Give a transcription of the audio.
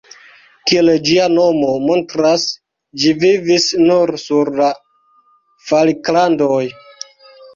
Kiel ĝia nomo montras, ĝi vivis nur sur la Falklandoj.